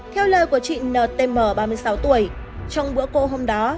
theo lời của chị ntm ba mươi sáu tuổi trong bữa cơ hôm đó